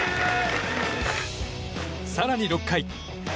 更に６回。